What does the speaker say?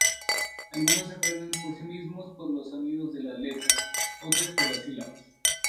Algunos aprenden por sí mismos por los sonidos de las letras, otros por sílabas.